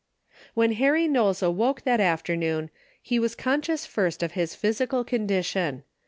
When Harry Knowles awoke that after noon, he was conscious first of his physical condition.